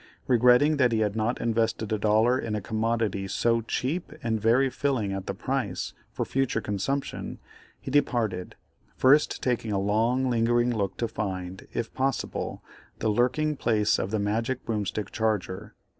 Regretting that he had not invested a dollar in a commodity so "cheap and very filling at the price" for future consumption, he departed, first taking a long lingering look to find, if possible, the lurking place of the magic broomstick charger.